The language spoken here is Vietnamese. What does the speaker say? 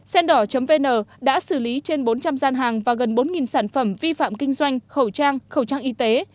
sendor vn đã xử lý trên bốn trăm linh gian hàng và gần bốn sản phẩm vi phạm kinh doanh khẩu trang khẩu trang y tế